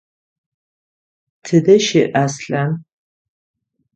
Тыдэ щыӏ Аслъан?